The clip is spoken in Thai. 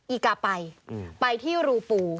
อีกาไปไปที่รูปู